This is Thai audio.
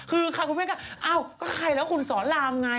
คือใครคุณแม่ก็อ้าวก็ใครแล้วคุณสอนรามไง